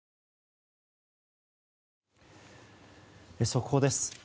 速報です。